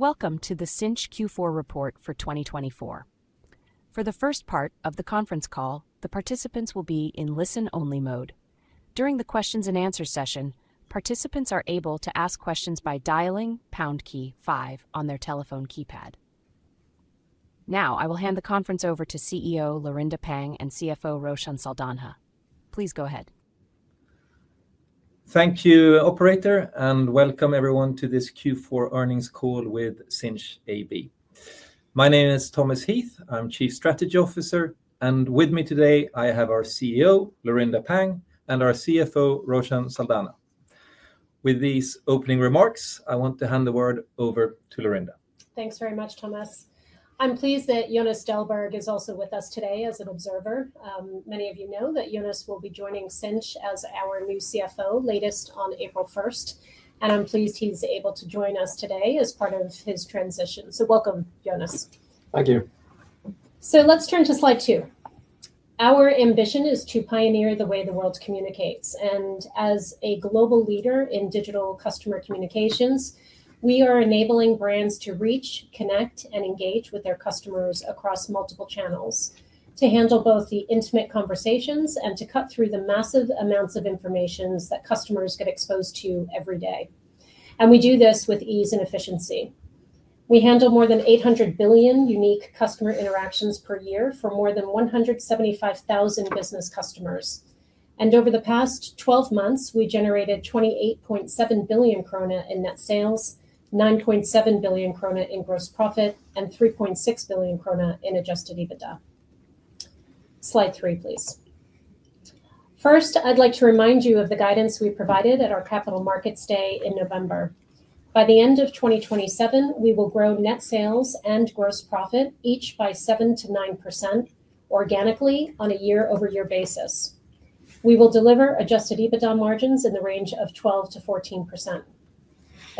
Welcome to the Sinch Q4 report for 2024. For the first part of the conference call, the participants will be in listen-only mode. During the questions and answer session, participants are able to ask questions by dialing pound key five on their telephone keypad. Now, I will hand the conference over to CEO Laurinda Pang and CFO Roshan Saldanha. Please go ahead. Thank you, Operator, and welcome everyone to this Q4 earnings call with Sinch AB. My name is Thomas Heath. I'm Chief Strategy Officer, and with me today I have our CEO, Laurinda Pang, and our CFO, Roshan Saldanha. With these opening remarks, I want to hand the word over to Laurinda. Thanks very much, Thomas. I'm pleased that Jonas Dahlberg is also with us today as an observer. Many of you know that Jonas will be joining Sinch as our new CFO, latest on April 1st, and I'm pleased he's able to join us today as part of his transition. So welcome, Jonas. Thank you. So let's turn to slide two. Our ambition is to pioneer the way the world communicates, and as a global leader in digital customer communications, we are enabling brands to reach, connect, and engage with their customers across multiple channels, to handle both the intimate conversations and to cut through the massive amounts of information that customers get exposed to every day. And we do this with ease and efficiency. We handle more than 800 billion unique customer interactions per year for more than 175,000 business customers, and over the past 12 months, we generated 28.7 billion krona in net sales, 9.7 billion krona in gross profit, and 3.6 billion krona in Adjusted EBITDA. Slide three, please. First, I'd like to remind you of the guidance we provided at our Capital Markets Day in November. By the end of 2027, we will grow net sales and gross profit each by 7%-9% organically on a year-over-year basis. We will deliver Adjusted EBITDA margins in the range of 12%-14%.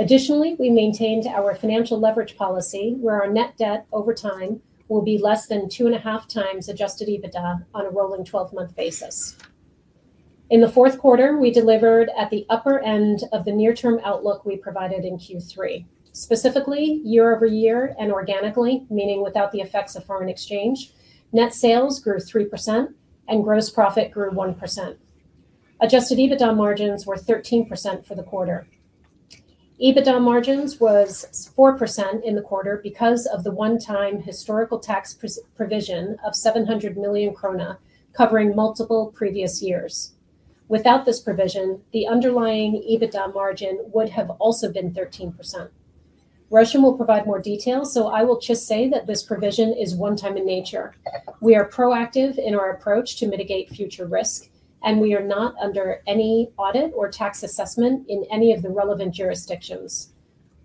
Additionally, we maintained our financial leverage policy, where our net debt over time will be less than 2.5 times Adjusted EBITDA on a rolling 12-month basis. In the fourth quarter, we delivered at the upper end of the near-term outlook we provided in Q3. Specifically, year-over-year and organically, meaning without the effects of foreign exchange, net sales grew 3% and gross profit grew 1%. Adjusted EBITDA margins were 13% for the quarter. EBITDA margins were 4% in the quarter because of the one-time historical tax provision of 700 million krona covering multiple previous years. Without this provision, the underlying EBITDA margin would have also been 13%. Roshan will provide more detail, so I will just say that this provision is one-time in nature. We are proactive in our approach to mitigate future risk, and we are not under any audit or tax assessment in any of the relevant jurisdictions.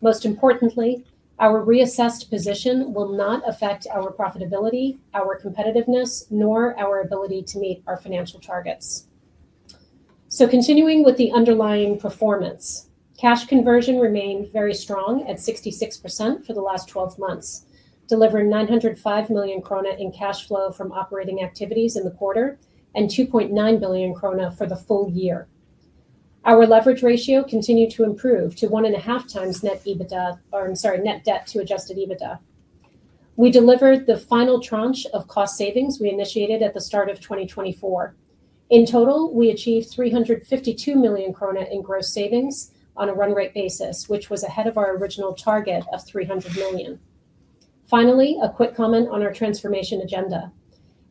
Most importantly, our reassessed position will not affect our profitability, our competitiveness, nor our ability to meet our financial targets. So continuing with the underlying performance, cash conversion remained very strong at 66% for the last 12 months, delivering 905 million krona in cash flow from operating activities in the quarter and 2.9 billion krona for the full year. Our leverage ratio continued to improve to 1.5 times net EBITDA or, I'm sorry, net debt to Adjusted EBITDA. We delivered the final tranche of cost savings we initiated at the start of 2024. In total, we achieved 352 million krona in gross savings on a run-rate basis, which was ahead of our original target of 300 million. Finally, a quick comment on our transformation agenda.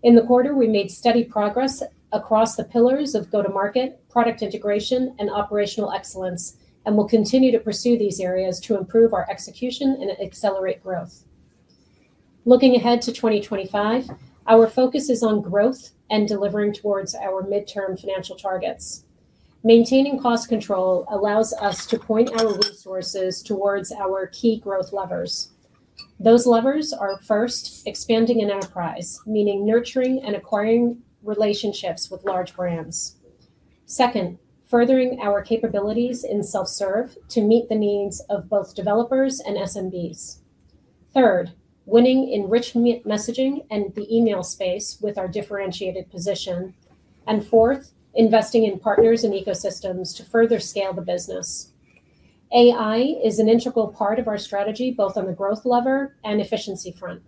In the quarter, we made steady progress across the pillars of go-to-market, product integration, and operational excellence, and will continue to pursue these areas to improve our execution and accelerate growth. Looking ahead to 2025, our focus is on growth and delivering towards our midterm financial targets. Maintaining cost control allows us to point our resources towards our key growth levers. Those levers are, first, expanding an enterprise, meaning nurturing and acquiring relationships with large brands. Second, furthering our capabilities in self-serve to meet the needs of both developers and SMBs. Third, winning enrichment messaging and the email space with our differentiated position. And fourth, investing in partners and ecosystems to further scale the business. AI is an integral part of our strategy, both on the growth lever and efficiency front.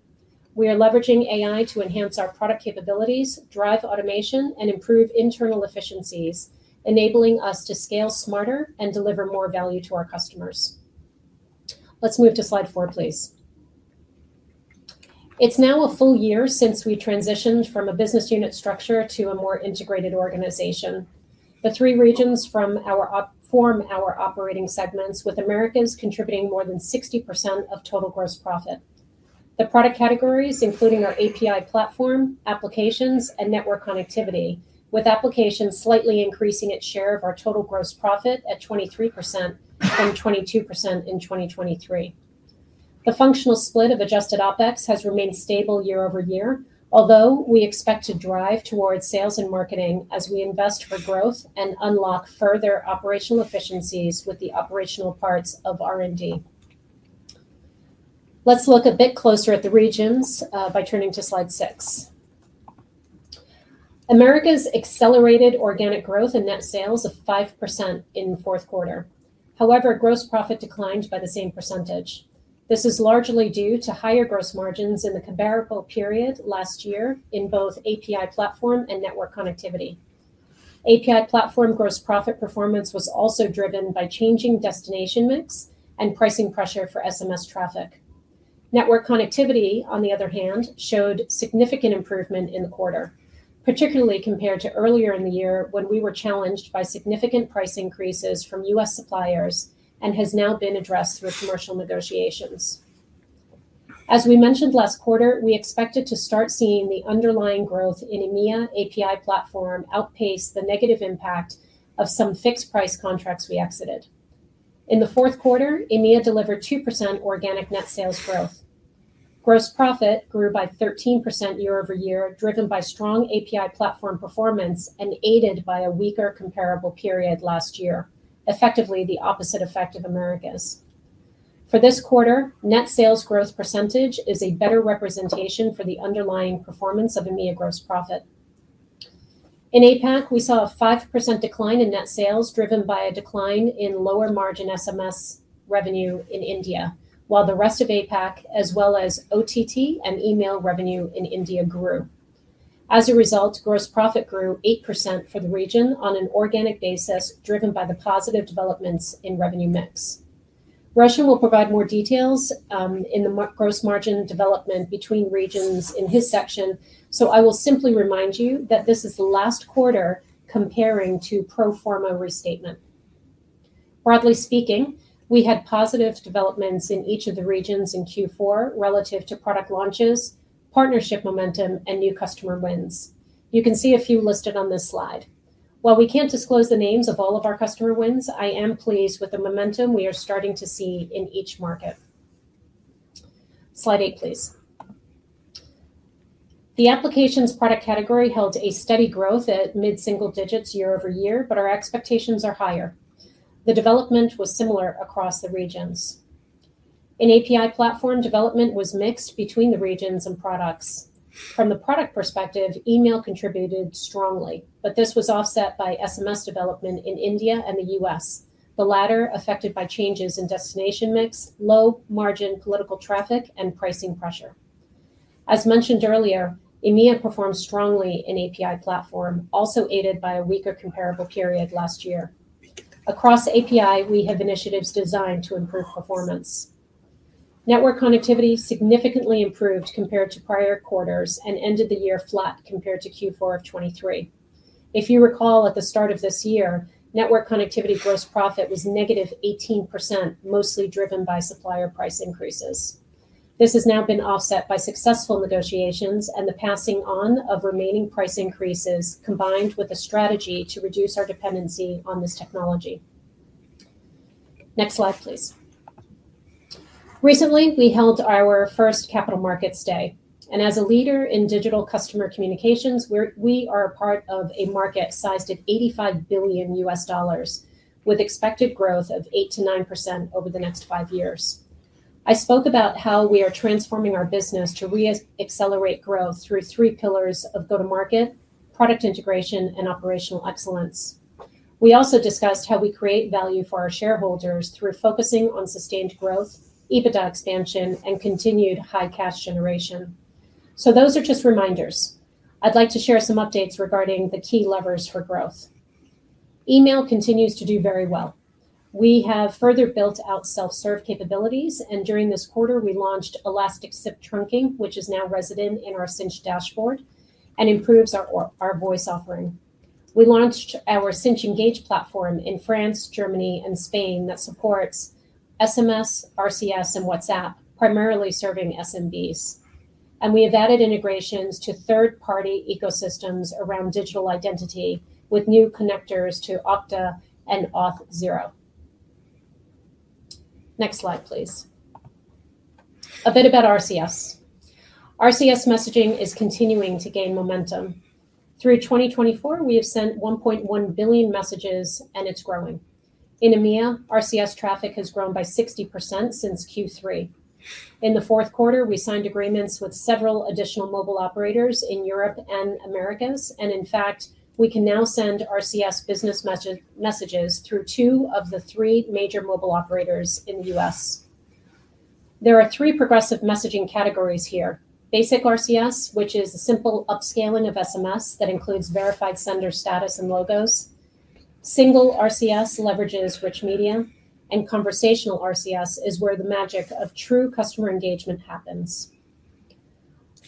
We are leveraging AI to enhance our product capabilities, drive automation, and improve internal efficiencies, enabling us to scale smarter and deliver more value to our customers. Let's move to slide four, please. It's now a full year since we transitioned from a business unit structure to a more integrated organization. The three regions form our operating segments, with Americas contributing more than 60% of total gross profit. The product categories, including our API Platform, Applications, and Network Connectivity, with Applications slightly increasing its share of our total gross profit at 23% from 22% in 2023. The functional split Adjusted OpEx has remained stable year-over-year, although we expect to drive towards sales and marketing as we invest for growth and unlock further operational efficiencies with the operational parts of R&D. Let's look a bit closer at the regions by turning to slide six. Americas accelerated organic growth and net sales of 5% in the fourth quarter. However, gross profit declined by the same percentage. This is largely due to higher gross margins in the comparable period last year in both API Platform and Network Connectivity. API Platform gross profit performance was also driven by changing destination mix and pricing pressure for SMS traffic. Network Connectivity, on the other hand, showed significant improvement in the quarter, particularly compared to earlier in the year when we were challenged by significant price increases from U.S. suppliers and has now been addressed through commercial negotiations. As we mentioned last quarter, we expected to start seeing the underlying growth in EMEA API Platform outpace the negative impact of some fixed-price contracts we exited. In the fourth quarter, EMEA delivered 2% organic net sales growth. Gross profit grew by 13% year-over-year, driven by strong API Platform performance and aided by a weaker comparable period last year, effectively the opposite effect of Americas. For this quarter, net sales growth percentage is a better representation for the underlying performance of EMEA gross profit. In APAC, we saw a 5% decline in net sales driven by a decline in lower margin SMS revenue in India, while the rest of APAC, as well as OTT and email revenue in India, grew. As a result, gross profit grew 8% for the region on an organic basis, driven by the positive developments in revenue mix. Roshan will provide more details in the gross margin development between regions in his section, so I will simply remind you that this is the last quarter comparing to pro forma restatement. Broadly speaking, we had positive developments in each of the regions in Q4 relative to product launches, partnership momentum, and new customer wins. You can see a few listed on this slide. While we can't disclose the names of all of our customer wins, I am pleased with the momentum we are starting to see in each market. Slide eight, please. The Applications product category held a steady growth at mid-single digits year-over-year, but our expectations are higher. The development was similar across the regions. In API Platform, development was mixed between the regions and products. From the product perspective, email contributed strongly, but this was offset by SMS development in India and the U.S., the latter affected by changes in destination mix, low margin political traffic, and pricing pressure. As mentioned earlier, EMEA performed strongly in API Platform, also aided by a weaker comparable period last year. Across API, we have initiatives designed to improve performance. Network Connectivity significantly improved compared to prior quarters and ended the year flat compared to Q4 of 2023. If you recall, at the start of this year, Network Connectivity gross profit was -18%, mostly driven by supplier price increases. This has now been offset by successful negotiations and the passing on of remaining price increases, combined with a strategy to reduce our dependency on this technology. Next slide, please. Recently, we held our first Capital Markets Day, and as a leader in digital customer communications, we are a part of a market sized at $85 billion, with expected growth of 8%-9% over the next five years. I spoke about how we are transforming our business to reaccelerate growth through three pillars of go-to-market, product integration, and operational excellence. We also discussed how we create value for our shareholders through focusing on sustained growth, EBITDA expansion, and continued high cash generation. So those are just reminders. I'd like to share some updates regarding the key levers for growth. Email continues to do very well. We have further built out self-serve capabilities, and during this quarter, we launched Elastic SIP Trunking, which is now resident in our Sinch Dashboard and improves our voice offering. We launched our Sinch Engage platform in France, Germany, and Spain that supports SMS, RCS, and WhatsApp, primarily serving SMBs. And we have added integrations to third-party ecosystems around digital identity with new connectors to Okta and Auth0. Next slide, please. A bit about RCS. RCS messaging is continuing to gain momentum. Through 2024, we have sent 1.1 billion messages, and it's growing. In EMEA, RCS traffic has grown by 60% since Q3. In the fourth quarter, we signed agreements with several additional mobile operators in Europe and Americas, and in fact, we can now send RCS business messages through two of the three major mobile operators in the U.S. There are three progressive messaging categories here: Basic RCS, which is a simple upscaling of SMS that includes verified sender status and logos. Single RCS leverages rich media, and Conversational RCS is where the magic of true customer engagement happens.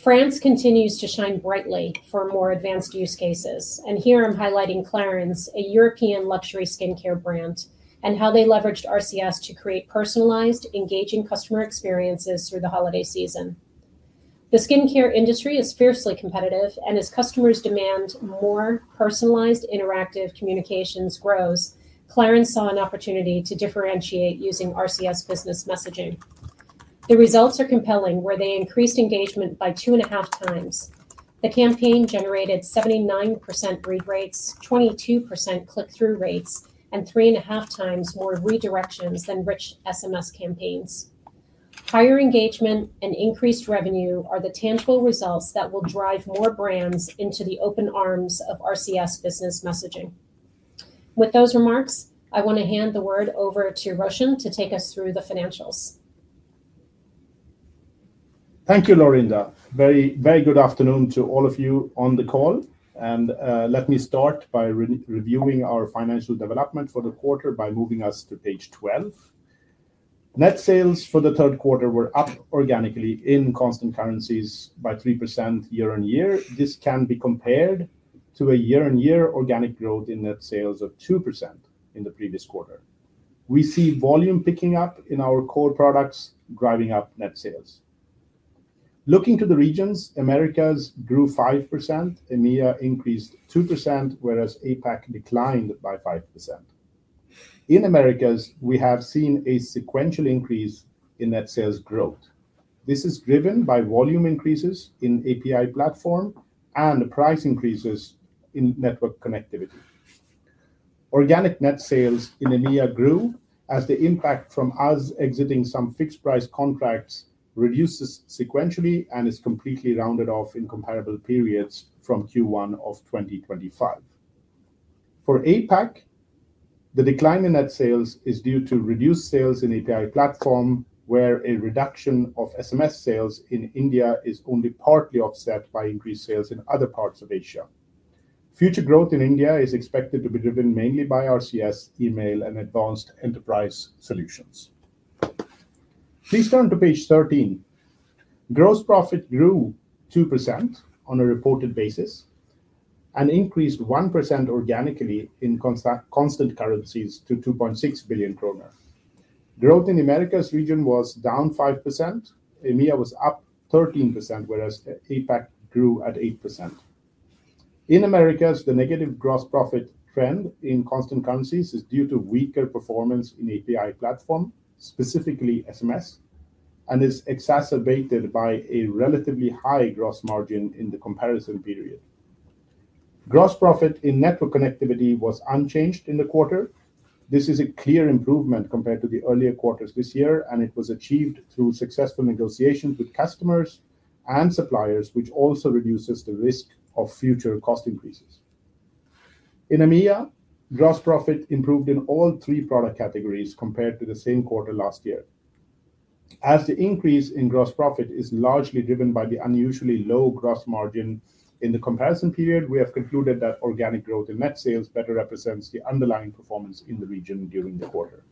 France continues to shine brightly for more advanced use cases, and here I'm highlighting Clarins, a European luxury skincare brand, and how they leveraged RCS to create personalized, engaging customer experiences through the holiday season. The skincare industry is fiercely competitive, and as customers' demand for more personalized, interactive communications grows, Clarins saw an opportunity to differentiate using RCS Business Messaging. The results are compelling, where they increased engagement by two and a half times. The campaign generated 79% read rates, 22% click-through rates, and three and a half times more redirections than rich SMS campaigns. Higher engagement and increased revenue are the tangible results that will drive more brands into the open arms of RCS Business Messaging. With those remarks, I want to hand the word over to Roshan to take us through the financials. Thank you, Laurinda. Very, very good afternoon to all of you on the call. And let me start by reviewing our financial development for the quarter by moving us to page 12. Net sales for the third quarter were up organically in constant currencies by 3% year-on-year. This can be compared to a year-on-year organic growth in net sales of 2% in the previous quarter. We see volume picking up in our core products, driving up net sales. Looking to the regions, Americas grew 5%, EMEA increased 2%, whereas APAC declined by 5%. In Americas, we have seen a sequential increase in net sales growth. This is driven by volume increases in API Platform and price increases in Network Connectivity. Organic net sales in EMEA grew as the impact from us exiting some fixed-price contracts reduces sequentially and is completely rounded off in comparable periods from Q1 of 2025. For APAC, the decline in net sales is due to reduced sales in API Platform, where a reduction of SMS sales in India is only partly offset by increased sales in other parts of Asia. Future growth in India is expected to be driven mainly by RCS, email, and advanced enterprise solutions. Please turn to page 13. Gross profit grew 2% on a reported basis and increased 1% organically in constant currencies to 2.6 billion kronor. Growth in Americas region was down 5%. EMEA was up 13%, whereas APAC grew at 8%. In Americas, the negative gross profit trend in constant currencies is due to weaker performance in API Platform, specifically SMS, and is exacerbated by a relatively high gross margin in the comparison period. Gross profit in Network Connectivity was unchanged in the quarter. This is a clear improvement compared to the earlier quarters this year, and it was achieved through successful negotiations with customers and suppliers, which also reduces the risk of future cost increases. In EMEA, gross profit improved in all three product categories compared to the same quarter last year. As the increase in gross profit is largely driven by the unusually low gross margin in the comparison period, we have concluded that organic growth in net sales better represents the underlying performance in the region during the quarter.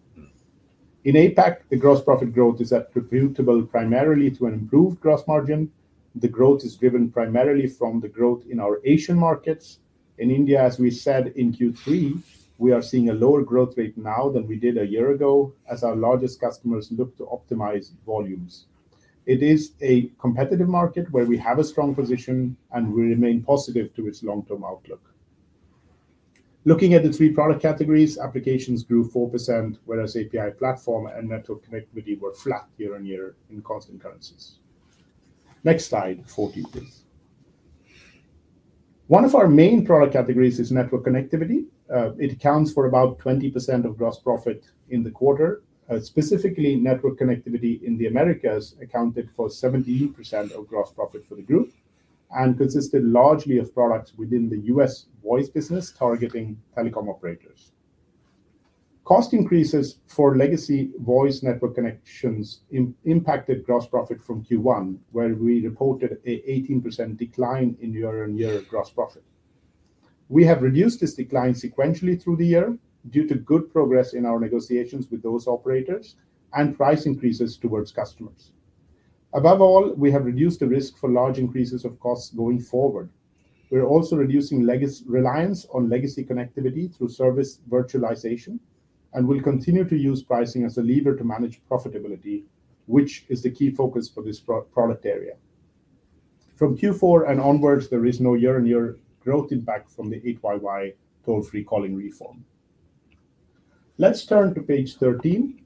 In APAC, the gross profit growth is attributable primarily to an improved gross margin. The growth is driven primarily from the growth in our Asian markets. In India, as we said in Q3, we are seeing a lower growth rate now than we did a year ago as our largest customers look to optimize volumes. It is a competitive market where we have a strong position, and we remain positive to its long-term outlook. Looking at the three product categories, Applications grew 4%, whereas API Platform and Network Connectivity were flat year-on-year in constant currencies. Next slide, 14, please. One of our main product categories is Network Connectivity. It accounts for about 20% of gross profit in the quarter. Specifically, Network Connectivity in the Americas accounted for 70% of gross profit for the group and consisted largely of products within the U.S. voice business targeting telecom operators. Cost increases for legacy voice network connections impacted gross profit from Q1, where we reported an 18% decline in year-on-year gross profit. We have reduced this decline sequentially through the year due to good progress in our negotiations with those operators and price increases towards customers. Above all, we have reduced the risk for large increases of costs going forward. We're also reducing reliance on legacy connectivity through service virtualization and will continue to use pricing as a lever to manage profitability, which is the key focus for this product area. From Q4 and onwards, there is no year-on-year growth impact from the 8YY toll-free calling reform. Let's turn to page 13.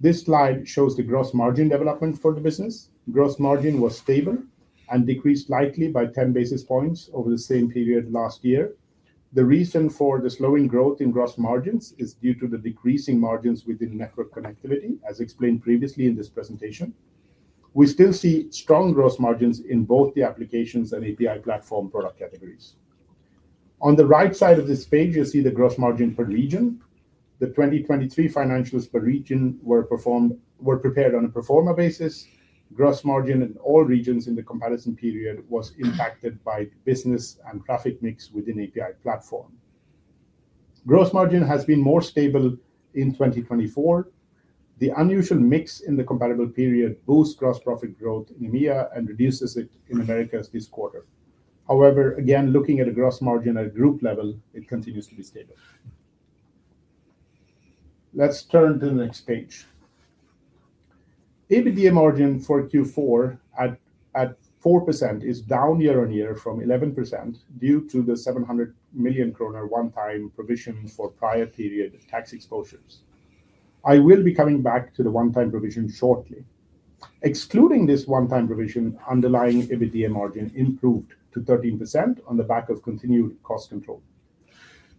This slide shows the gross margin development for the business. Gross margin was stable and decreased slightly by 10 basis points over the same period last year. The reason for the slowing growth in gross margins is due to the decreasing margins within Network Connectivity, as explained previously in this presentation. We still see strong gross margins in both the Applications and API Platform product categories. On the right side of this page, you see the gross margin per region. The 2023 financials per region were prepared on a pro forma basis. Gross margin in all regions in the comparison period was impacted by business and traffic mix within API Platform. Gross margin has been more stable in 2024. The unusual mix in the comparable period boosts gross profit growth in EMEA and reduces it in Americas this quarter. However, again, looking at a gross margin at a group level, it continues to be stable. Let's turn to the next page. EBITDA margin for Q4 at 4% is down year-on-year from 11% due to the 700 million kronor one-time provision for prior period tax exposures. I will be coming back to the one-time provision shortly. Excluding this one-time provision, underlying EBITDA margin improved to 13% on the back of continued cost control.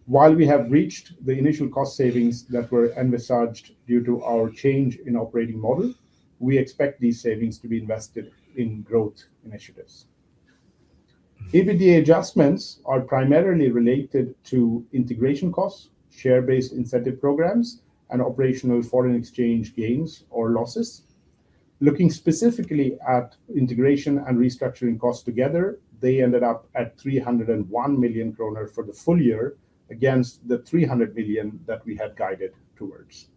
While we have reached the initial cost savings that were envisaged due to our change in operating model, we expect these savings to be invested in growth initiatives. EBITDA adjustments are primarily related to integration costs, share-based incentive programs, and operational foreign exchange gains or losses. Looking specifically at integration and restructuring costs together, they ended up at 301 million kronor for the full year against the 300 million that we had guided towards.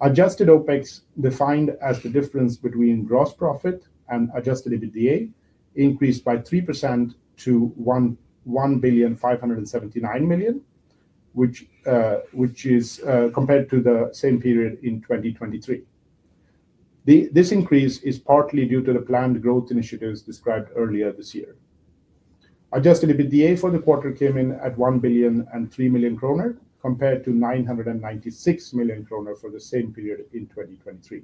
Adjusted OpEx, defined as the difference between gross profit and Adjusted EBITDA, increased by 3% to 1, 579, 000, 000, which is compared to the same period in 2023. This increase is partly due to the planned growth initiatives described earlier this year. Adjusted EBITDA for the quarter came in at 1, 003, 000, 000 compared to 996 million kronor for the same period in 2023.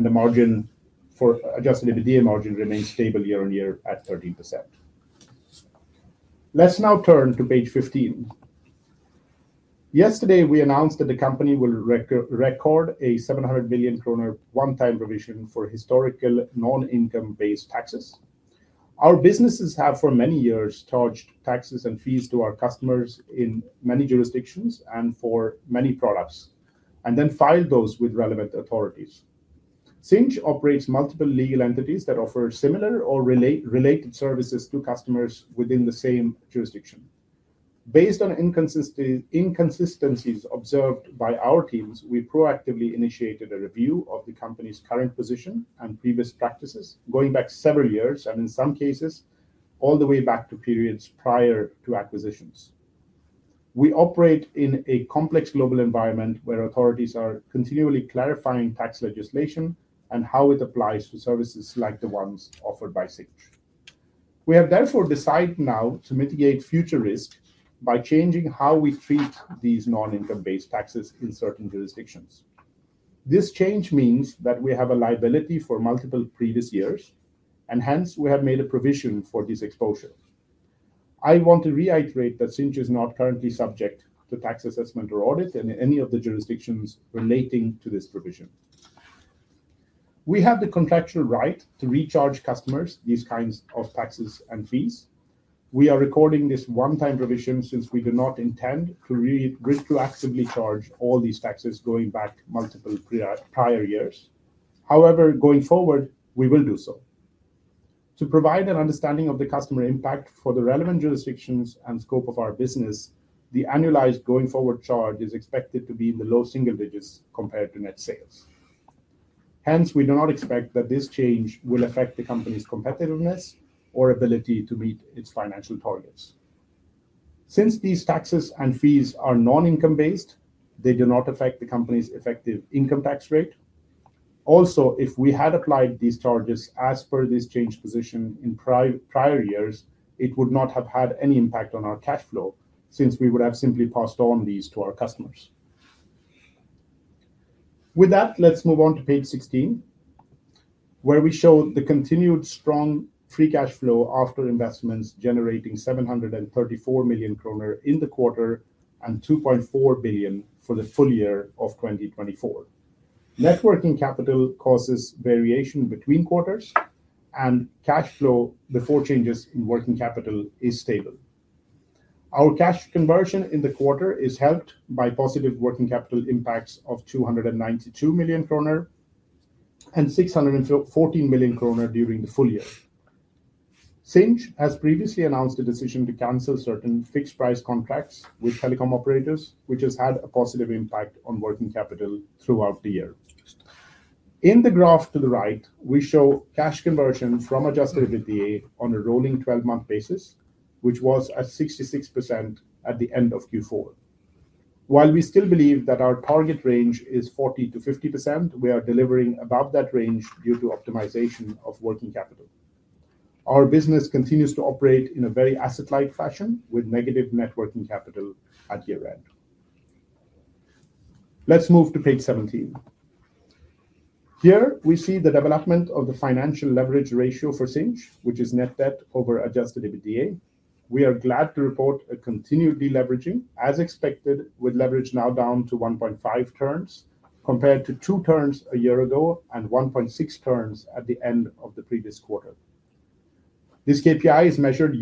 The Adjusted EBITDA margin remains stable year-on-year at 13%. Let's now turn to page 15. Yesterday, we announced that the company will record a 700 million kronor one-time provision for historical non-income-based taxes. Our businesses have for many years charged taxes and fees to our customers in many jurisdictions and for many products, and then filed those with relevant authorities. Sinch operates multiple legal entities that offer similar or related services to customers within the same jurisdiction. Based on inconsistencies observed by our teams, we proactively initiated a review of the company's current position and previous practices going back several years and in some cases all the way back to periods prior to acquisitions. We operate in a complex global environment where authorities are continually clarifying tax legislation and how it applies to services like the ones offered by Sinch. We have therefore decided now to mitigate future risk by changing how we treat these non-income-based taxes in certain jurisdictions. This change means that we have a liability for multiple previous years, and hence we have made a provision for this exposure. I want to reiterate that Sinch is not currently subject to tax assessment or audit in any of the jurisdictions relating to this provision. We have the contractual right to recharge customers these kinds of taxes and fees. We are recording this one-time provision since we do not intend to retroactively charge all these taxes going back multiple prior years. However, going forward, we will do so. To provide an understanding of the customer impact for the relevant jurisdictions and scope of our business, the annualized going forward charge is expected to be in the low single digits compared to net sales. Hence, we do not expect that this change will affect the company's competitiveness or ability to meet its financial targets. Since these taxes and fees are non-income-based, they do not affect the company's effective income tax rate. Also, if we had applied these charges as per this change position in prior years, it would not have had any impact on our cash flow since we would have simply passed on these to our customers. With that, let's move on to page 16, where we show the continued strong free cash flow after investments generating 734 million kronor in the quarter and 2.4 billion for the full year of 2024. Working capital causes variation between quarters, and cash flow before changes in working capital is stable. Our cash conversion in the quarter is helped by positive working capital impacts of 292 million kronor and 614 million kronor during the full year. Sinch has previously announced a decision to cancel certain fixed-price contracts with telecom operators, which has had a positive impact on working capital throughout the year. In the graph to the right, we show cash conversion from Adjusted EBITDA on a rolling 12-month basis, which was at 66% at the end of Q4. While we still believe that our target range is 40%-50%, we are delivering above that range due to optimization of working capital. Our business continues to operate in a very asset-light fashion with negative net working capital at year-end. Let's move to page 17. Here, we see the development of the financial leverage ratio for Sinch, which is net debt over Adjusted EBITDA. We are glad to report a continued deleveraging, as expected, with leverage now down to 1.5 turns compared to two turns a year ago and 1.6 turns at the end of the previous quarter. This KPI is measured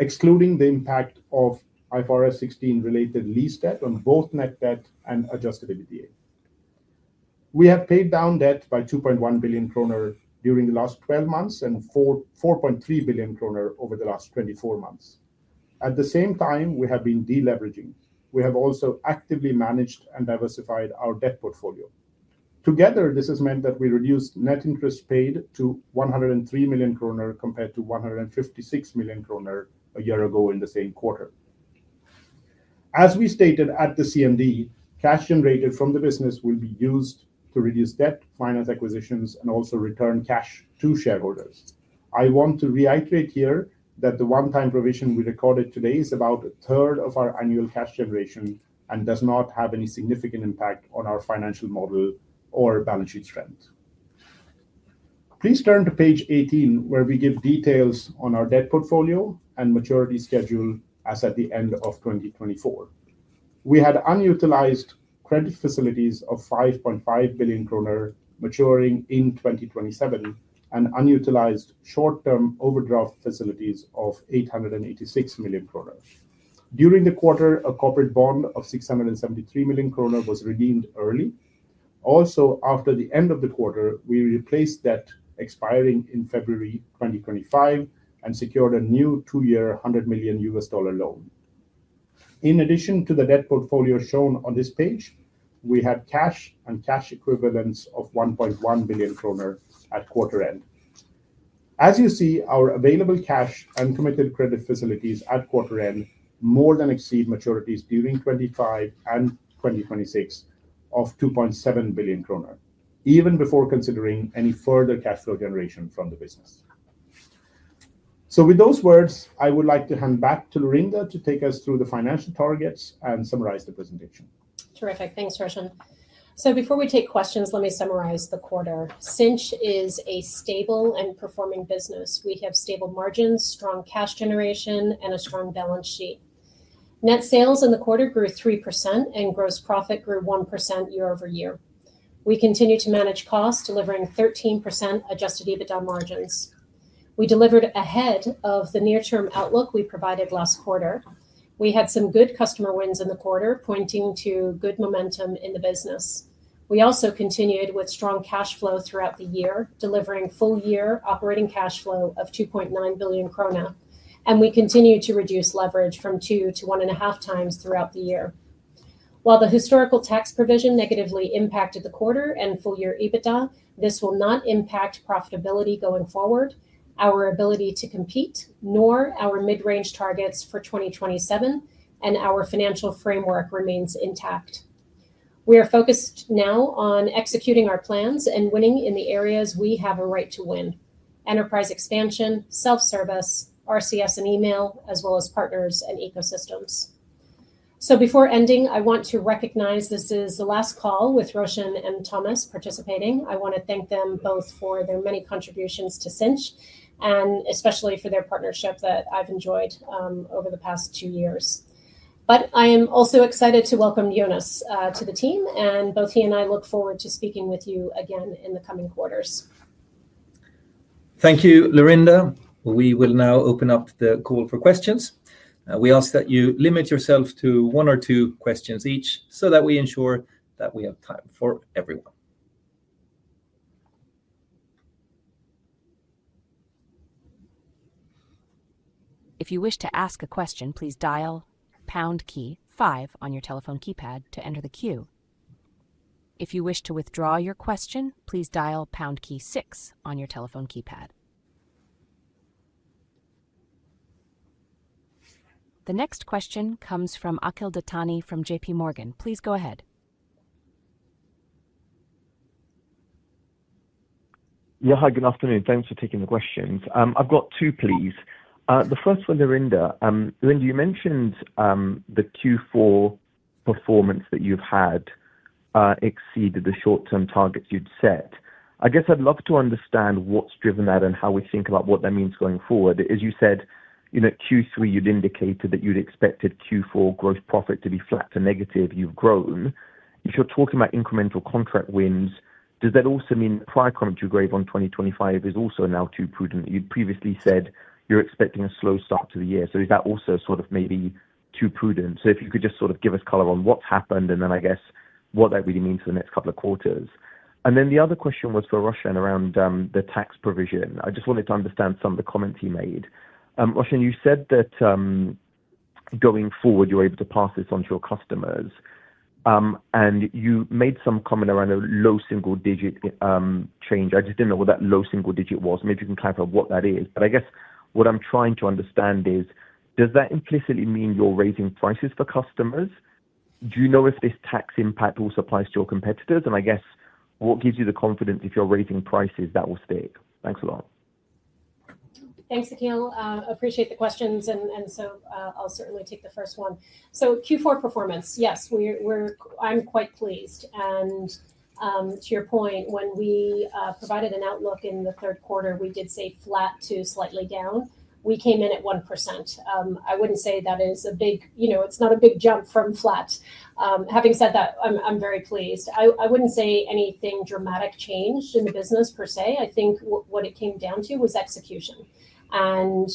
excluding the impact of IFRS 16-related lease debt on both net debt and Adjusted EBITDA. We have paid down debt by 2.1 billion kronor during the last 12 months and 4.3 billion kronor over the last 24 months. At the same time, we have been deleveraging. We have also actively managed and diversified our debt portfolio. Together, this has meant that we reduced net interest paid to 103 million kronor compared to 156 million kronor a year ago in the same quarter. As we stated at the CMD, cash generated from the business will be used to reduce debt, finance acquisitions, and also return cash to shareholders. I want to reiterate here that the one-time provision we recorded today is about a third of our annual cash generation and does not have any significant impact on our financial model or balance sheet strength. Please turn to page 18, where we give details on our debt portfolio and maturity schedule as at the end of 2024. We had unutilized credit facilities of 5.5 billion kronor maturing in 2027 and unutilized short-term overdraft facilities of 886 million krona. During the quarter, a corporate bond of 673 million krona was redeemed early. Also, after the end of the quarter, we replaced debt expiring in February 2025 and secured a new two-year $100 million loan. In addition to the debt portfolio shown on this page, we had cash and cash equivalents of 1.1 billion kronor at quarter end. As you see, our available cash and committed credit facilities at quarter end more than exceed maturities during 2025 and 2026 of 2.7 billion kronor, even before considering any further cash flow generation from the business. So, with those words, I would like to hand back to Laurinda to take us through the financial targets and summarize the presentation. Terrific. Thanks, Roshan. So, before we take questions, let me summarize the quarter. Sinch is a stable and performing business. We have stable margins, strong cash generation, and a strong balance sheet. Net sales in the quarter grew 3%, and gross profit grew 1% year-over-year. We continue to manage costs, delivering 13% Adjusted EBITDA margins. We delivered ahead of the near-term outlook we provided last quarter. We had some good customer wins in the quarter, pointing to good momentum in the business. We also continued with strong cash flow throughout the year, delivering full-year operating cash flow of 2.9 billion krona, and we continue to reduce leverage from two to one and a half times throughout the year. While the historical tax provision negatively impacted the quarter and full-year EBITDA, this will not impact profitability going forward, our ability to compete, nor our mid-range targets for 2027, and our financial framework remains intact. We are focused now on executing our plans and winning in the areas we have a right to win: enterprise expansion, self-service, RCS and email, as well as partners and ecosystems. So, before ending, I want to recognize this is the last call with Roshan and Thomas participating. I want to thank them both for their many contributions to Sinch and especially for their partnership that I've enjoyed over the past two years. But I am also excited to welcome Jonas to the team, and both he and I look forward to speaking with you again in the coming quarters. Thank you, Laurinda. We will now open up the call for questions. We ask that you limit yourself to one or two questions each so that we ensure that we have time for everyone. If you wish to ask a question, please dial pound key five on your telephone keypad to enter the queue. If you wish to withdraw your question, please dial pound key six on your telephone keypad. The next question comes from Akhil Dattani from JPMorgan. Please go ahead. Yeah, hi, good afternoon. Thanks for taking the questions. I've got two, please. The first one, Laurinda. Laurinda, you mentioned the Q4 performance that you've had exceeded the short-term targets you'd set. I guess I'd love to understand what's driven that and how we think about what that means going forward. As you said, Q3, you'd indicated that you'd expected Q4 gross profit to be flat to negative. You've grown. If you're talking about incremental contract wins, does that also mean the prior comment you gave on 2025 is also now too prudent? You'd previously said you're expecting a slow start to the year. So, is that also sort of maybe too prudent? So, if you could just sort of give us color on what's happened and then I guess what that really means for the next couple of quarters. And then the other question was for Roshan around the tax provision. I just wanted to understand some of the comments he made. Roshan, you said that going forward, you're able to pass this on to your customers. And you made some comment around a low single digit change. I just didn't know what that low single digit was. Maybe you can clarify what that is. But I guess what I'm trying to understand is, does that implicitly mean you're raising prices for customers? Do you know if this tax impact also applies to your competitors? And I guess what gives you the confidence if you're raising prices that will stick? Thanks a lot. Thanks, Akhil. Appreciate the questions. And so, I'll certainly take the first one. So, Q4 performance, yes, I'm quite pleased. And to your point, when we provided an outlook in the third quarter, we did say flat to slightly down. We came in at 1%. I wouldn't say that is a big. It's not a big jump from flat. Having said that, I'm very pleased. I wouldn't say anything dramatic changed in the business per se. I think what it came down to was execution. And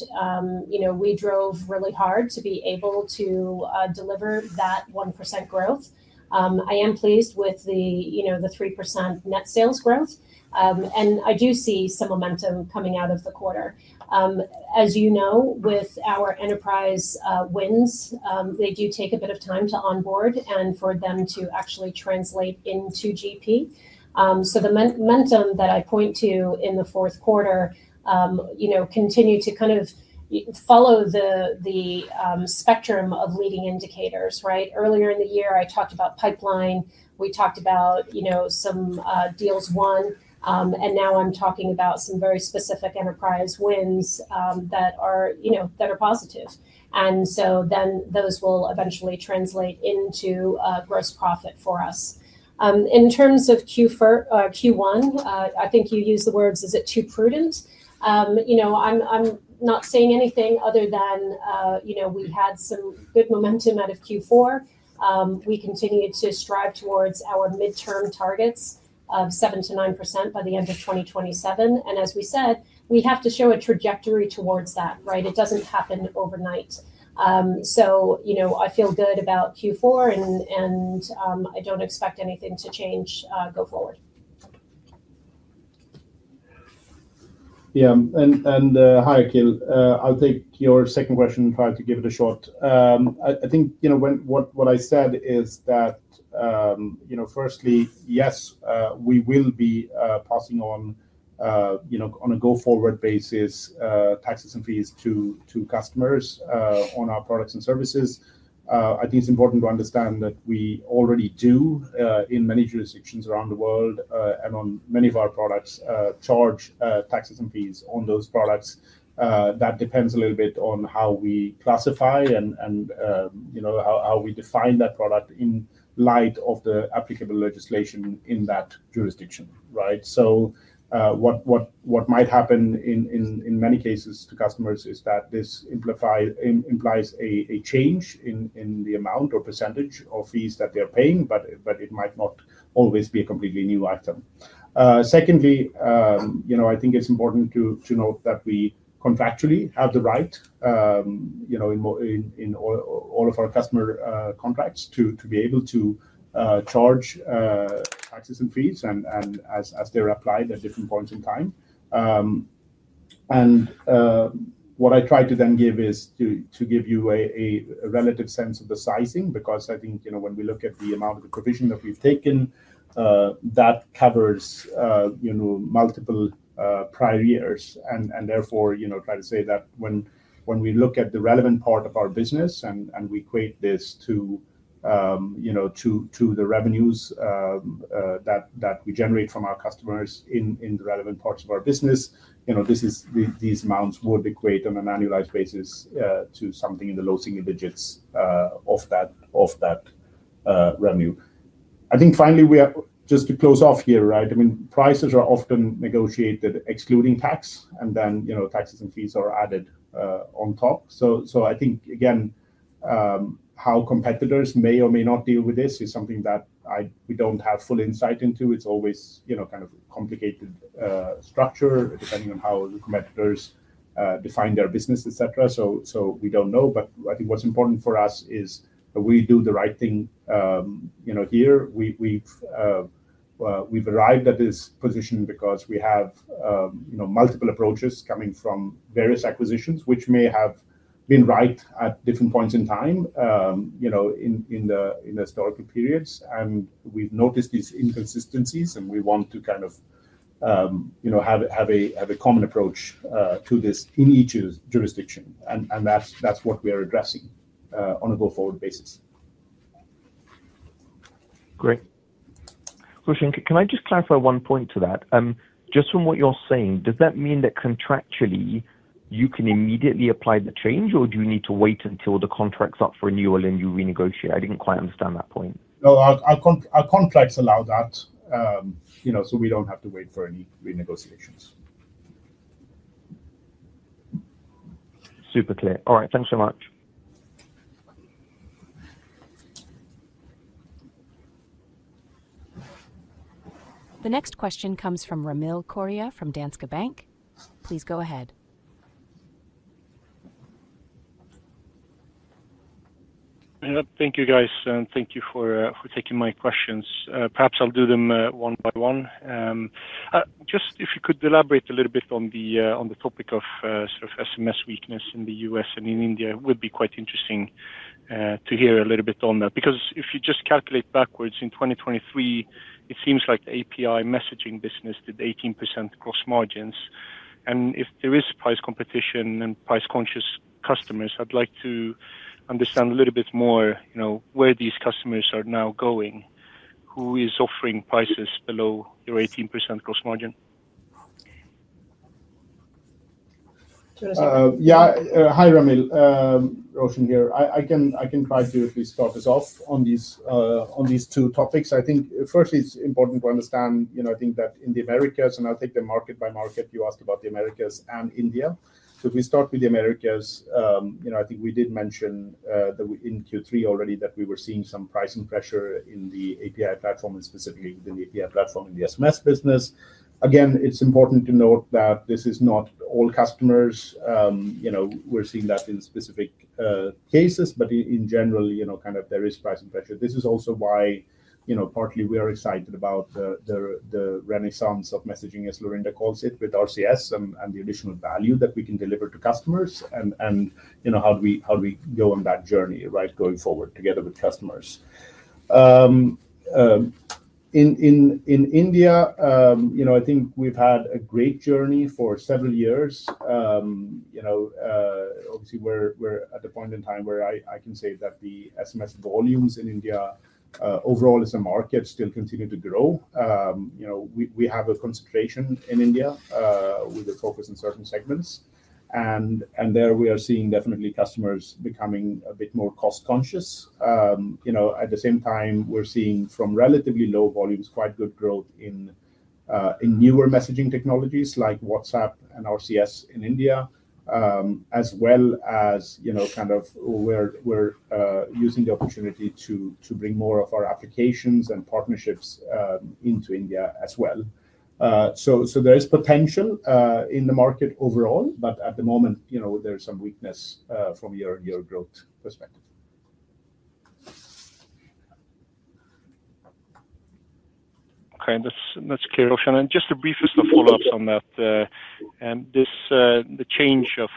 we drove really hard to be able to deliver that 1% growth. I am pleased with the 3% net sales growth. And I do see some momentum coming out of the quarter. As you know, with our enterprise wins, they do take a bit of time to onboard and for them to actually translate into GP. So, the momentum that I point to in the fourth quarter continued to kind of follow the spectrum of leading indicators, right? Earlier in the year, I talked about pipeline. We talked about some deals won, and now I'm talking about some very specific enterprise wins that are positive, and so then those will eventually translate into gross profit for us. In terms of Q1, I think you used the words, is it too prudent? I'm not saying anything other than we had some good momentum out of Q4. We continue to strive towards our midterm targets of 7%-9% by the end of 2027, and as we said, we have to show a trajectory towards that, right? It doesn't happen overnight. So, I feel good about Q4, and I don't expect anything to change go forward. Yeah. And hi, Akhil. I'll take your second question and try to give it a shot. I think what I said is that, firstly, yes, we will be passing on a go-forward basis taxes and fees to customers on our products and services. I think it's important to understand that we already do, in many jurisdictions around the world and on many of our products, charge taxes and fees on those products. That depends a little bit on how we classify and how we define that product in light of the applicable legislation in that jurisdiction, right? So, what might happen in many cases to customers is that this implies a change in the amount or percentage of fees that they're paying, but it might not always be a completely new item. Secondly, I think it's important to note that we contractually have the right in all of our customer contracts to be able to charge taxes and fees as they're applied at different points in time. And what I tried to then give is to give you a relative sense of the sizing because I think when we look at the amount of the provision that we've taken, that covers multiple prior years. And therefore, try to say that when we look at the relevant part of our business and we equate this to the revenues that we generate from our customers in the relevant parts of our business, these amounts would equate on an annualized basis to something in the low single digits of that revenue. I think finally, just to close off here, right? I mean, prices are often negotiated excluding tax, and then taxes and fees are added on top. So, I think, again, how competitors may or may not deal with this is something that we don't have full insight into. It's always kind of a complicated structure depending on how the competitors define their business, etc. So, we don't know. But I think what's important for us is that we do the right thing here. We've arrived at this position because we have multiple approaches coming from various acquisitions, which may have been right at different points in time in historical periods. And we've noticed these inconsistencies, and we want to kind of have a common approach to this in each jurisdiction. And that's what we are addressing on a go-forward basis. Great. Roshan, can I just clarify one point to that? Just from what you're saying, does that mean that contractually you can immediately apply the change, or do you need to wait until the contract's up for renewal and you renegotiate? I didn't quite understand that point. No, our contracts allow that, so we don't have to wait for any renegotiations. Super clear. All right. Thanks so much. The next question comes from Ramil Koria from Danske Bank. Please go ahead. Thank you, guys. Thank you for taking my questions. Perhaps I'll do them one by one. Just if you could elaborate a little bit on the topic of sort of SMS weakness in the U.S. and in India, it would be quite interesting to hear a little bit on that. Because if you just calculate backwards, in 2023, it seems like the API messaging business did 18% gross margins. If there is price competition and price-conscious customers, I'd like to understand a little bit more where these customers are now going, who is offering prices below your 18% gross margin. Yeah. Hi, Ramil. Roshan here. I can try to at least start us off on these two topics. I think first, it's important to understand, I think, that in the Americas, and I'll take them market by market. You asked about the Americas and India. If we start with the Americas, I think we did mention in Q3 already that we were seeing some pricing pressure in the API Platform and specifically within the API Platform in the SMS business. Again, it's important to note that this is not all customers. We're seeing that in specific cases, but in general, kind of there is pricing pressure. This is also why partly we are excited about the renaissance of messaging, as Laurinda calls it, with RCS and the additional value that we can deliver to customers and how do we go on that journey, right, going forward together with customers. In India, I think we've had a great journey for several years. Obviously, we're at the point in time where I can say that the SMS volumes in India overall as a market still continue to grow. We have a concentration in India with a focus in certain segments, and there we are seeing definitely customers becoming a bit more cost-conscious. At the same time, we're seeing from relatively low volumes, quite good growth in newer messaging technologies like WhatsApp and RCS in India, as well as kind of we're using the opportunity to bring more of our applications and partnerships into India as well. So, there is potential in the market overall, but at the moment, there's some weakness from your growth perspective. Okay. That's clear, Roshan. And just the briefest of follow-ups on that. And the change of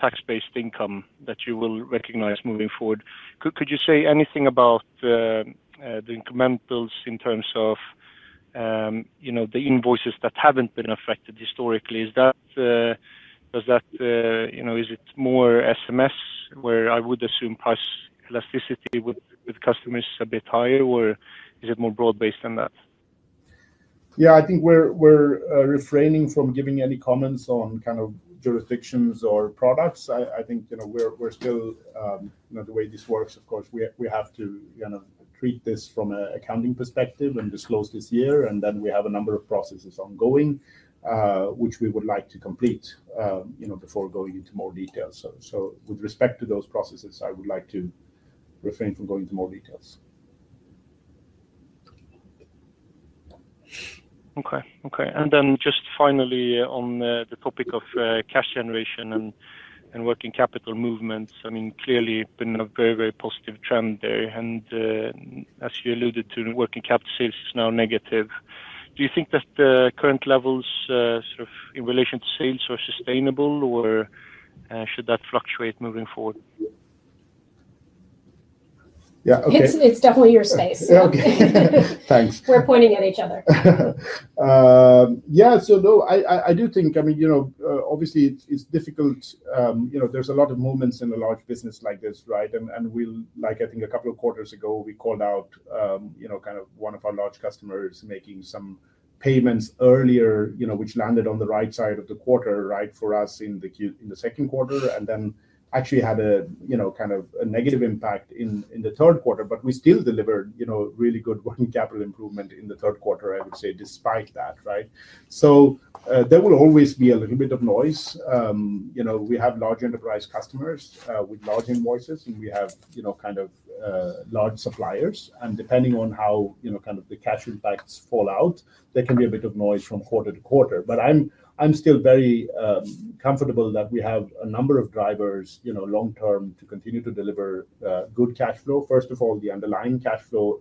tax-based income that you will recognize moving forward, could you say anything about the incrementals in terms of the invoices that haven't been affected historically? Is that, is it more SMS where I would assume price elasticity with customers is a bit higher, or is it more broad-based than that? Yeah, I think we're refraining from giving any comments on kind of jurisdictions or products. I think we're still, the way this works, of course, we have to kind of treat this from an accounting perspective and disclose this year. And then we have a number of processes ongoing, which we would like to complete before going into more detail. With respect to those processes, I would like to refrain from going into more details. Okay. Okay, and then just finally, on the topic of cash generation and working capital movements, I mean, clearly been a very, very positive trend there, and as you alluded to, working capital sales is now negative. Do you think that the current levels sort of in relation to sales are sustainable, or should that fluctuate moving forward? Yeah. Okay. It's definitely your space. Okay. Thanks. We're pointing at each other, yeah, so no, I do think, I mean, obviously, it's difficult. There's a lot of movements in a large business like this, right? I think a couple of quarters ago, we called out kind of one of our large customers making some payments earlier, which landed on the right side of the quarter, right, for us in the second quarter, and then actually had kind of a negative impact in the third quarter. But we still delivered really good working capital improvement in the third quarter, I would say, despite that, right? So, there will always be a little bit of noise. We have large enterprise customers with large invoices, and we have kind of large suppliers. And depending on how kind of the cash impacts fall out, there can be a bit of noise from quarter to quarter. But I'm still very comfortable that we have a number of drivers long-term to continue to deliver good cash flow. First of all, the underlying cash flow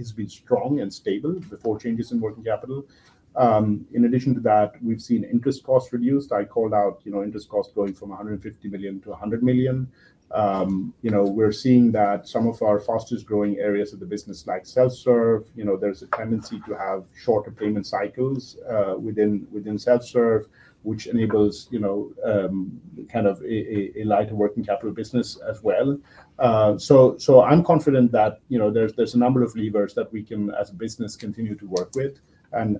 has been strong and stable before changes in working capital. In addition to that, we've seen interest costs reduced. I called out interest costs going from 150 million to 100 million. We're seeing that some of our fastest-growing areas of the business, like self-serve, there's a tendency to have shorter payment cycles within self-serve, which enables kind of a lighter working capital business as well. So, I'm confident that there's a number of levers that we can, as a business, continue to work with and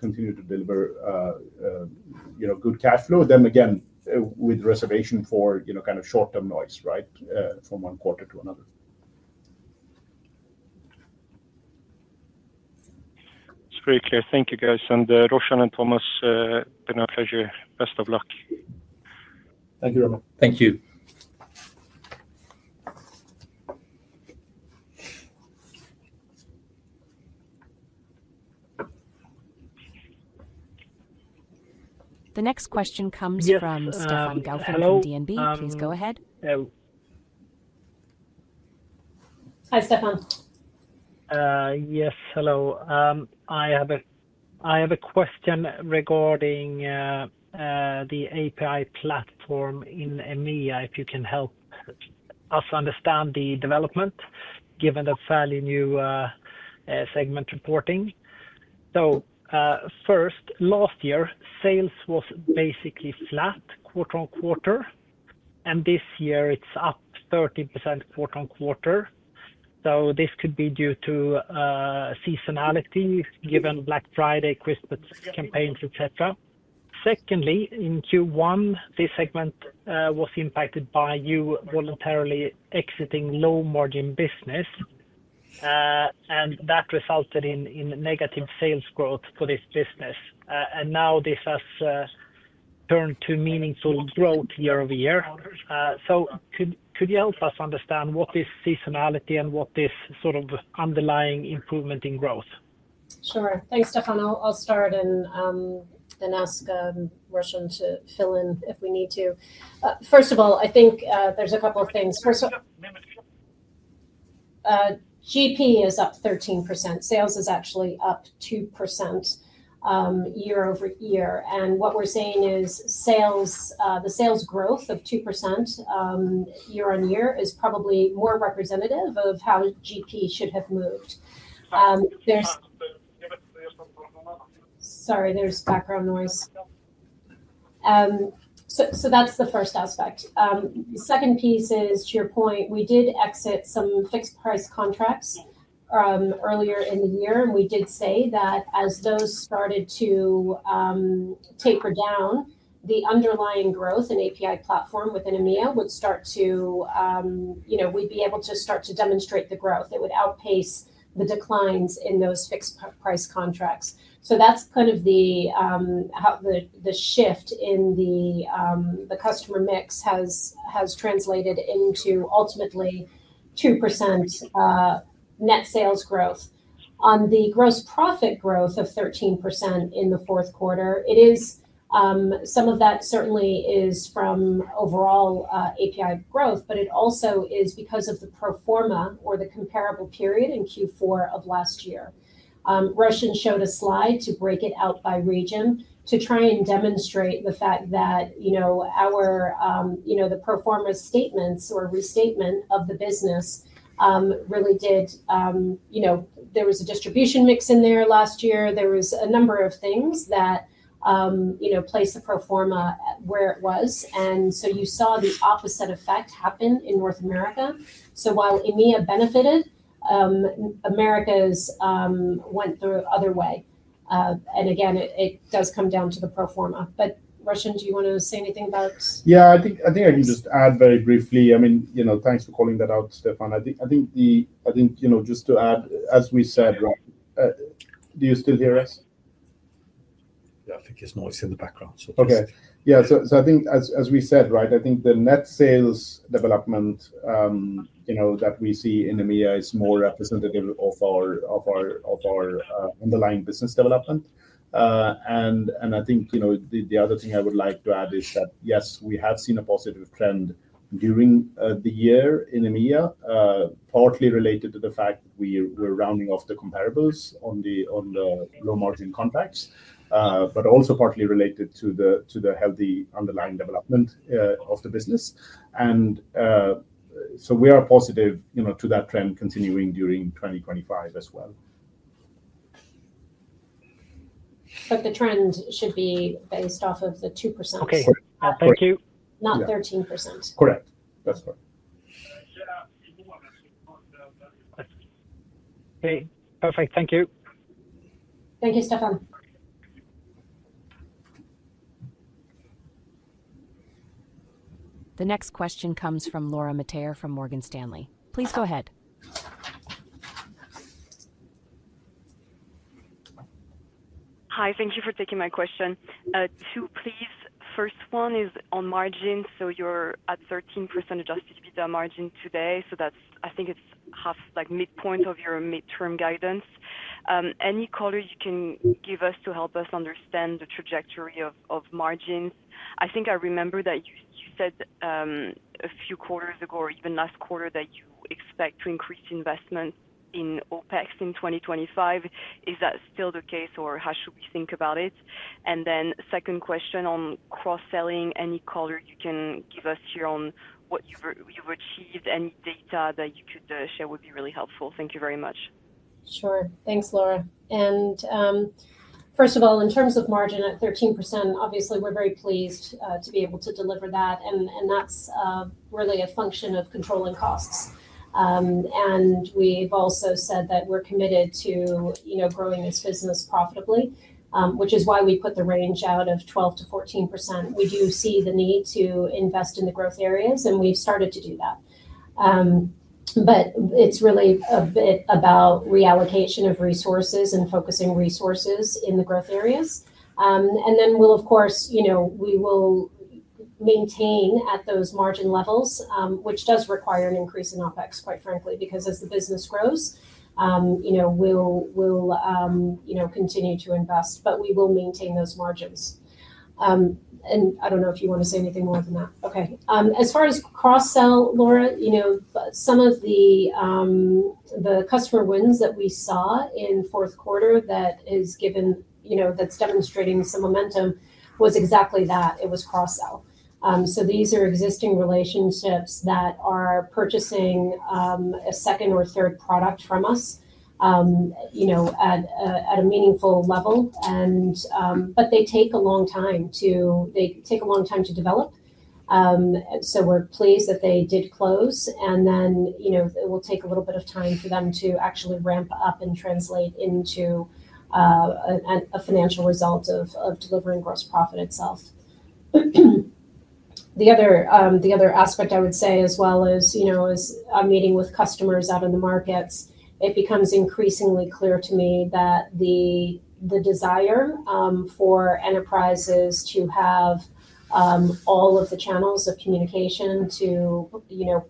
continue to deliver good cash flow. Then, again, with reservation for kind of short-term noise, right, from one quarter to another. It's very clear. Thank you, guys. And Roshan and Thomas, it's been a pleasure. Best of luck. Thank you, Ramil. Thank you. The next question comes from Stefan Gauffin from DNB. Please go ahead. Hi, Stefan. Yes. Hello. I have a question regarding the API Platform in EMEA, if you can help us understand the development, given the fairly new segment reporting. First, last year, sales was basically flat quarter on quarter. This year, it's up 30% quarter on quarter. This could be due to seasonality given Black Friday, Christmas campaigns, etc. Second, in Q1, this segment was impacted by you voluntarily exiting low-margin business. That resulted in negative sales growth for this business. Now this has turned to meaningful growth year-over-year. Could you help us understand what is seasonality and what is sort of underlying improvement in growth? Sure. Thanks, Stefan. I'll start and then ask Roshan to fill in if we need to. First of all, I think there's a couple of things. First, GP is up 13%. Sales is actually up 2% year-over-year. What we're seeing is the sales growth of 2% year-on-year is probably more representative of how GP should have moved. Sorry, there's background noise. That's the first aspect. The second piece is, to your point, we did exit some fixed-price contracts earlier in the year. We did say that as those started to taper down, the underlying growth in API Platform within EMEA would start to we'd be able to demonstrate the growth. It would outpace the declines in those fixed-price contracts. That's kind of the shift in the customer mix has translated into ultimately 2% net sales growth. On the gross profit growth of 13% in the fourth quarter, some of that certainly is from overall API growth, but it also is because of the pro forma or the comparable period in Q4 of last year. Roshan showed a slide to break it out by region to try and demonstrate the fact that or the pro forma statements or restatement of the business really did. There was a distribution mix in there last year. There was a number of things that placed the pro forma where it was and so you saw the opposite effect happen in North America so while EMEA benefited, Americas went the other way and again it does come down to the pro forma but Roshan, do you want to say anything about? Yeah. I think I can just add very briefly. I mean, thanks for calling that out, Stefan. I think just to add, as we said, do you still hear us? Yeah. I think there's noise in the background, so please. Okay. Yeah. So, I think as we said, right, I think the net sales development that we see in EMEA is more representative of our underlying business development. And I think the other thing I would like to add is that, yes, we have seen a positive trend during the year in EMEA, partly related to the fact that we were rounding off the comparables on the low-margin contracts, but also partly related to the healthy underlying development of the business. And so, we are positive to that trend continuing during 2025 as well. But the trend should be based off of the 2%. Okay. Thank you. Not 13%. Correct. That's correct. Okay. Perfect. Thank you. Thank you, Stefan. The next question comes from Laura Metayer from Morgan Stanley. Please go ahead. Hi. Thank you for taking my question. Two, please. First one is on margin. So, you're at 13% Adjusted EBITDA margin today. So, I think it's half like midpoint of your midterm guidance. Any color you can give us to help us understand the trajectory of margins? I think I remember that you said a few quarters ago or even last quarter that you expect to increase investment in OpEx in 2025. Is that still the case, or how should we think about it? And then second question on cross-selling, any color you can give us here on what you've achieved, any data that you could share would be really helpful. Thank you very much. Sure. Thanks, Laura. And first of all, in terms of margin at 13%, obviously, we're very pleased to be able to deliver that. And that's really a function of controlling costs. We've also said that we're committed to growing this business profitably, which is why we put the range out of 12%-14%. We do see the need to invest in the growth areas, and we've started to do that. It's really a bit about reallocation of resources and focusing resources in the growth areas. Then we'll, of course, we will maintain at those margin levels, which does require an increase in OpEx, quite frankly, because as the business grows, we'll continue to invest, but we will maintain those margins. I don't know if you want to say anything more than that. Okay. As far as cross-sell, Laura, some of the customer wins that we saw in fourth quarter that is given that's demonstrating some momentum was exactly that. It was cross-sell. These are existing relationships that are purchasing a second or third product from us at a meaningful level. But they take a long time to develop. We're pleased that they did close. And then it will take a little bit of time for them to actually ramp up and translate into a financial result of delivering gross profit itself. The other aspect I would say as well is, as I'm meeting with customers out in the markets, it becomes increasingly clear to me that the desire for enterprises to have all of the channels of communication to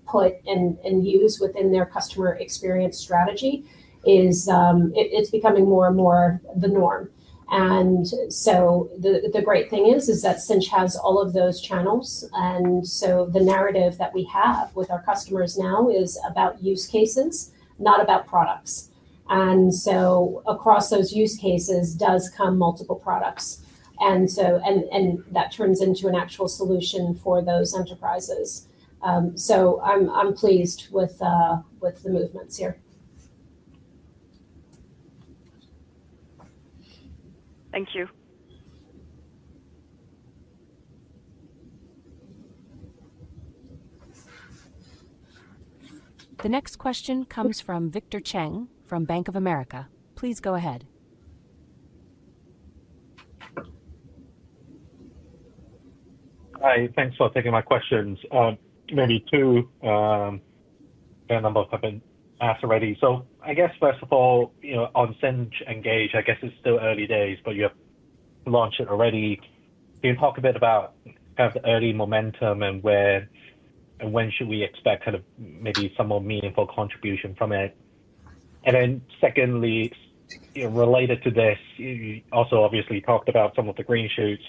put and use within their customer experience strategy, it's becoming more and more the norm. And so, the great thing is that Sinch has all of those channels. And so, the narrative that we have with our customers now is about use cases, not about products. And so, across those use cases does come multiple products. And that turns into an actual solution for those enterprises. So, I'm pleased with the movements here. Thank you. The next question comes from Victor Cheng from Bank of America. Please go ahead. Hi. Thanks for taking my questions. Maybe two that I've been asked already. So, I guess, first of all, on Sinch Engage, I guess it's still early days, but you have launched it already. Can you talk a bit about kind of the early momentum and when should we expect kind of maybe some more meaningful contribution from it? And then secondly, related to this, you also obviously talked about some of the green shoots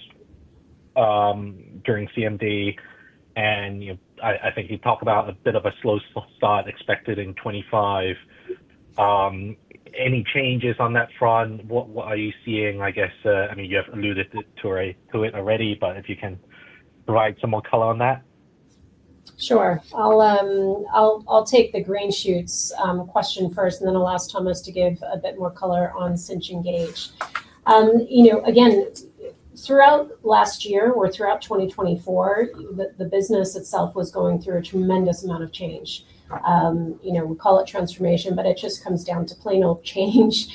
during CMD. I think you talked about a bit of a slow start expected in 2025. Any changes on that front? What are you seeing, I guess? I mean, you have alluded to it already, but if you can provide some more color on that. Sure. I'll take the green shoots question first, and then I'll ask Thomas to give a bit more color on Sinch Engage. Again, throughout last year or throughout 2024, the business itself was going through a tremendous amount of change. We call it transformation, but it just comes down to plain old change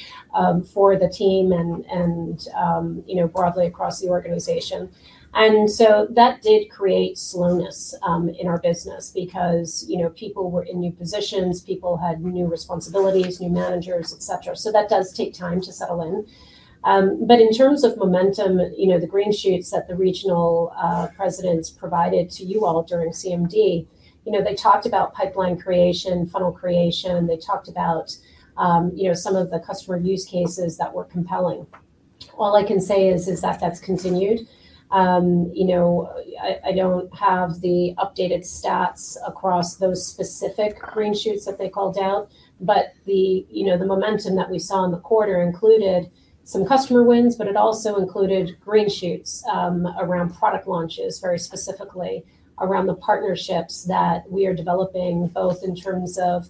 for the team and broadly across the organization. That did create slowness in our business because people were in new positions, people had new responsibilities, new managers, etc. That does take time to settle in. But in terms of momentum, the green shoots that the regional presidents provided to you all during CMD, they talked about pipeline creation, funnel creation. They talked about some of the customer use cases that were compelling. All I can say is that that's continued. I don't have the updated stats across those specific green shoots that they called out, but the momentum that we saw in the quarter included some customer wins, but it also included green shoots around product launches, very specifically around the partnerships that we are developing both in terms of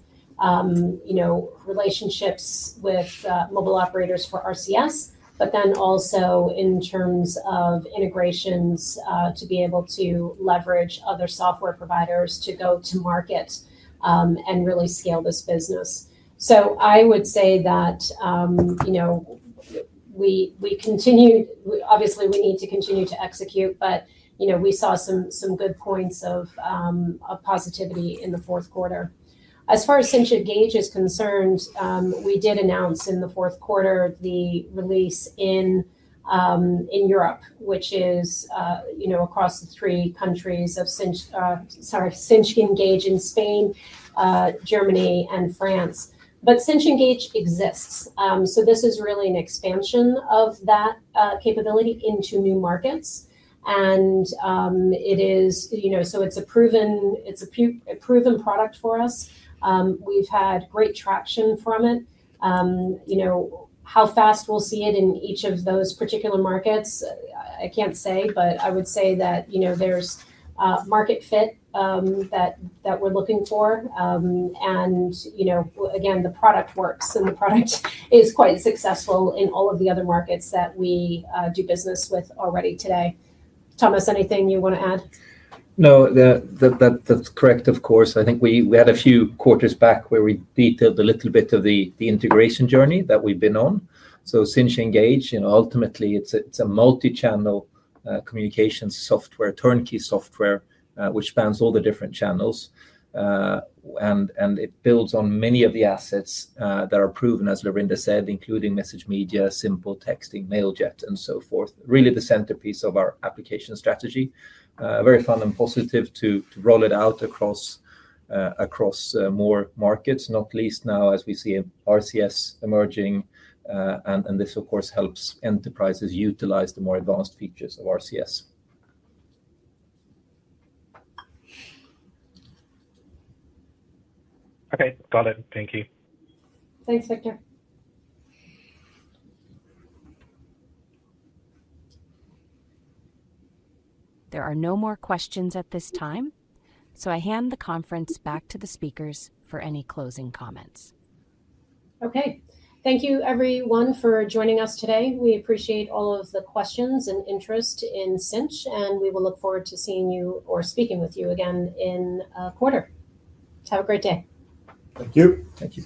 relationships with mobile operators for RCS, but then also in terms of integrations to be able to leverage other software providers to go to market and really scale this business. So, I would say that we continue, obviously, we need to continue to execute, but we saw some good points of positivity in the fourth quarter. As far as Sinch Engage is concerned, we did announce in the fourth quarter the release in Europe, which is across the three countries of Sinch sorry, Sinch Engage in Spain, Germany, and France. But Sinch Engage exists. So, this is really an expansion of that capability into new markets. And it is so it's a proven product for us. We've had great traction from it. How fast we'll see it in each of those particular markets, I can't say, but I would say that there's market fit that we're looking for. And again, the product works, and the product is quite successful in all of the other markets that we do business with already today. Thomas, anything you want to add? No, that's correct, of course. I think we had a few quarters back where we detailed a little bit of the integration journey that we've been on. So, Sinch Engage, ultimately, it's a multi-channel communications software, turnkey software, which spans all the different channels. And it builds on many of the assets that are proven, as Laurinda said, including MessageMedia, SimpleTexting, Mailjet, and so forth. Really the centerpiece of our application strategy. Very fun and positive to roll it out across more markets, not least now as we see RCS emerging. And this, of course, helps enterprises utilize the more advanced features of RCS. Okay. Got it. Thank you. Thanks, Victor. There are no more questions at this time. So, I hand the conference back to the speakers for any closing comments. Okay. Thank you, everyone, for joining us today. We appreciate all of the questions and interest in Sinch, and we will look forward to seeing you or speaking with you again in a quarter. Have a great day. Thank you. Thank you.